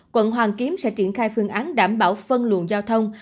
quận hoàn kiếm sẽ triển khai phương án đảm bảo phân luận giao thông